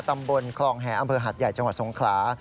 ตำบลคลองแห่อำเภอหัดใหญ่จังหวัดสงขลา